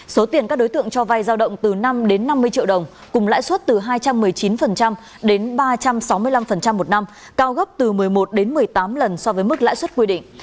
số tiền các đối tượng cho vay giao động từ năm đến năm mươi triệu đồng cùng lãi suất từ hai trăm một mươi chín đến ba trăm sáu mươi năm một năm cao gấp từ một mươi một đến một mươi tám lần so với mức lãi suất quy định